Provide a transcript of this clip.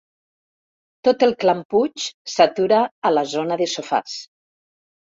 Tot el clan Puig s'atura a la zona de sofàs.